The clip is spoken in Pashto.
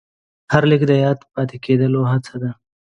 هر لیک د یاد پاتې کېدو هڅه ده.